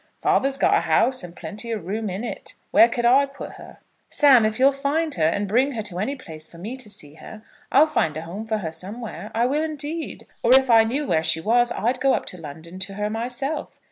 Father's got a house and plenty of room in it. Where could I put her?" "Sam, if you'll find her, and bring her to any place for me to see her, I'll find a home for her somewhere. I will, indeed. Or, if I knew where she was, I'd go up to London to her myself.